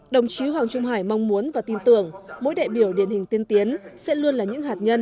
đồng chí hoàng trung hải mong muốn và tin tưởng mỗi đại biểu điển hình tiên tiến sẽ luôn là những hạt nhân